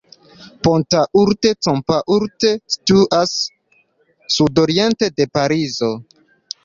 Pontault-Combault situas sudoriente de Parizo.